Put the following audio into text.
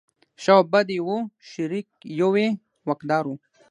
ښه او بد یې وو شریک یو یې واکدار و.